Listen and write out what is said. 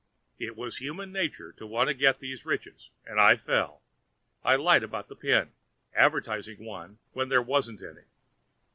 It was human nature to want to get these riches, and I fell. I lied about the pin—advertising one when there wasn't any.